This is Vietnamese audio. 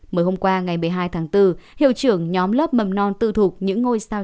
mới hôm qua ngày một mươi hai tháng bốn hiệu trưởng nhóm lớp mầm non tư thục những ngôi trường tư thục